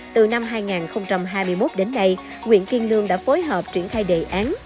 từ năm hai nghìn hai mươi một đến nay nguyễn kiên lương đã phối hợp triển khai đề án